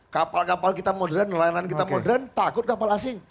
kapal kapal kita modern nelayan kita modern takut kapal asing